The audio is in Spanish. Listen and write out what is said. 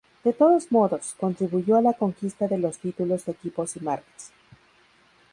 De todos modos, contribuyó a la conquista de los títulos de equipos y marcas.